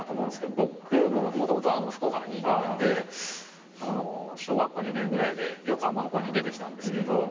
僕ももともと福岡の人間で小学校２年ぐらいで横浜の方に出てきたんですけど。